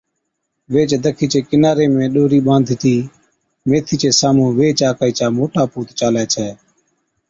ويھِچ دکِي چي ڪِناري ۾ ڏورِي ٻانڌتِي ميٿِي چي سامھُون ويھِچ آڪھِي چا موٽا پُوت چالَي ڇَي